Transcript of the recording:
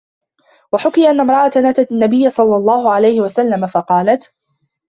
وَحُكِيَ أَنَّ امْرَأَةً أَتَتْ النَّبِيَّ صَلَّى اللَّهُ عَلَيْهِ وَسَلَّمَ فَقَالَتْ